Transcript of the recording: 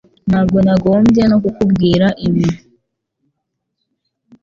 Ntabwo nagombye no kukubwira ibi